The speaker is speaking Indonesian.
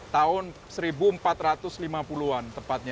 tahun seribu empat ratus lima puluh an tepatnya